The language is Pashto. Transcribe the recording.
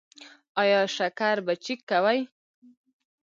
ایا شکر به چیک کوئ؟